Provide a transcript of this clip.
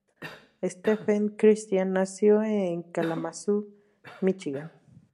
Stephen Christian nació en Kalamazoo, Michigan.